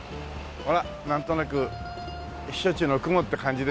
ほらなんとなく避暑地の曇って感じでしょ。